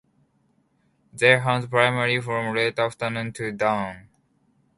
They hunt primarily from late afternoon to dawn.